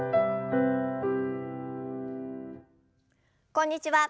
こんにちは